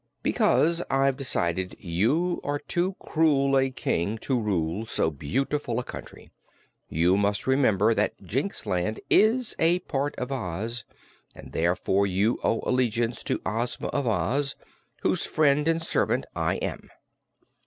"Because I've decided you are too cruel a King to rule so beautiful a country. You must remember that Jinxland is a part of Oz, and therefore you owe allegiance to Ozma of Oz, whose friend and servant I am."